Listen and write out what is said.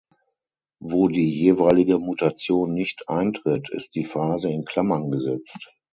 Wo die jeweilige Mutation nicht eintritt, ist die Phrase in Klammern gesetzt.